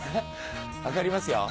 分かりますよ